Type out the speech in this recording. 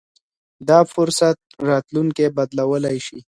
دا فرصت راتلونکی بدلولای شي.